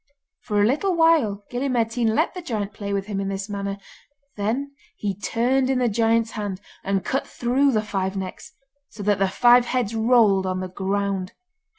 For a little while Gille Mairtean let the giant play with him in this manner; then he turned in the giant's hand, and cut through the Five Necks, so that the Five Heads rolled on the ground.